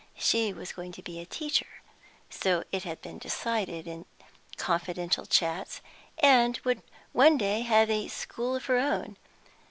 She was going to be a teacher, so it had been decided in confidential chats, and would one day have a school of her own.